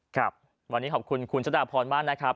ครับวันนี้ขอบคุณคุณชะดาพรมากนะครับ